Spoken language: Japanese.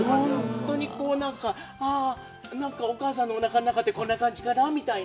本当に、ああ、お母さんのおなかの中って、こんな感じかなみたいな。